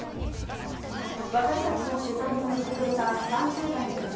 私たちの取材に応じてくれた３０代の女性。